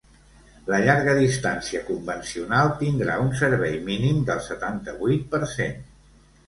La llarga distància convencional tindrà un servei mínim del setanta-vuit per cent.